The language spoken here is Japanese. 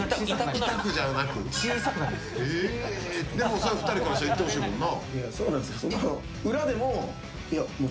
そりゃ２人からしたらいってほしいもんな。